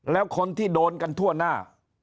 แล้วคนที่โดนกันทั่วหน้า